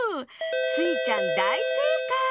スイちゃんだいせいかい！